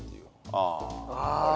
ああ。